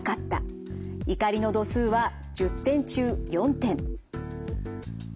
怒りの度数は１０点中４点。